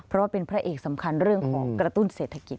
เพราะว่าเป็นพระเอกสำคัญเรื่องของกระตุ้นเศรษฐกิจ